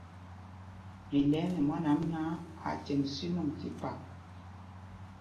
Mi lɛɛ nɛ mwân ām náǎ, aa cemb sínɔŋ tí pap.